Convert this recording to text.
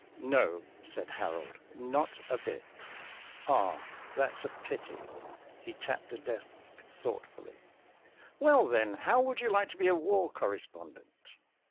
"No," said Harold. "Not a bit." "Ah, that's a pity." He tapped his desk thoughtfully. "Well, then, how would you like to be a war correspondent?"